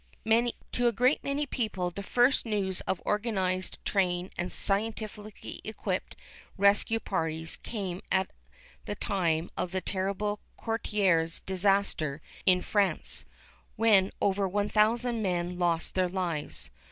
To a great many people the first news of organised, trained and scientifically equipped rescue parties came at the time of the terrible Courrières disaster in France, when over 1000 men lost their lives.